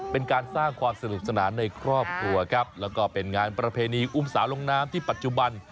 เป็นการสร้างความสนุกสนานในครอบครัวครับแล้วก็เป็นงานประเพณีอุ้มสาวลงน้ำที่ปัจจุบัน